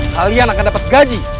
kalian akan dapat gaji